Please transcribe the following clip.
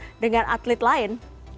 dibandingkan dengan atlet lain